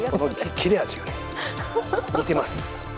切れ味が似てます。